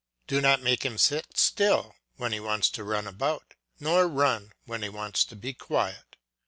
Do not make him sit still when he wants to run about, nor run when he wants to be quiet.